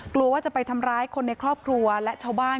กลัวว่าจะไปทำร้ายคนในครอบครัวและชาวบ้าน